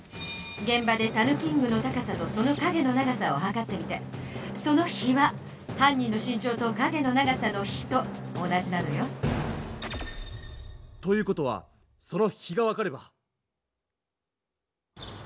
げん場でたぬキングの高さとその影の長さをはかってみてその比は犯人の身長と影の長さの比と同じなのよ。という事はその比が分かれば。